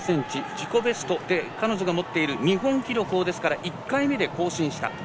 自己ベスト、そして彼女が持っている日本記録を１回目で更新した。